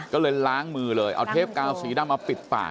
ก็เลยล้างมือเลยเอาเทปกาวสีดำมาปิดปาก